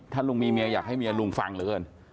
ถ้าลุงมีเมียอยากให้เมียลุงฟังเหลือเกิน